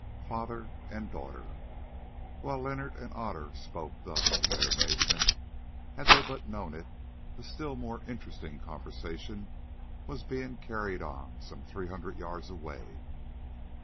FATHER AND DAUGHTER While Leonard and Otter spoke thus in their amazement, had they but known it, a still more interesting conversation was being carried on some three hundred yards away.